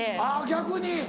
逆に？